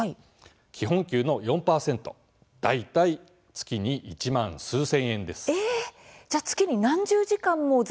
基本給の４％大体月に１万数千円です。